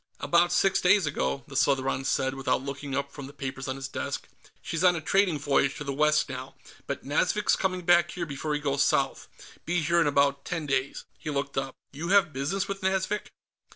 "About six days ago," the Southron said, without looking up from the papers on his desk. "She's on a trading voyage to the west now, but Nazvik's coming back here before he goes south. Be here in about ten days." He looked up. "You have business with Nazvik?"